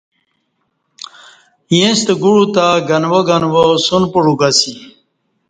ییستہ گوع تہ گنوا گنوا سن پڑوک اسی